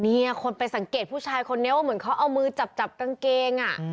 เนี่ยคนไปสังเกตผู้ชายคนนี้ว่าเหมือนเขาเอามือจับจับกางเกงอ่ะ